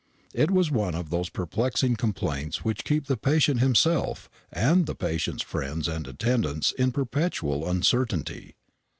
It was one of those perplexing complaints which keep the patient himself, and the patient's friends and attendants, in perpetual uncertainty.